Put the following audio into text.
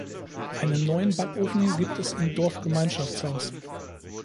Einen neuen Backofen gibt es im Dorfgemeinschaftshaus.